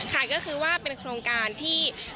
ค่ะก็คือว่าเป็นโครงการที่